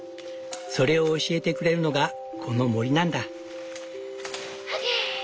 それを教えてくれるのがこの森なんだ。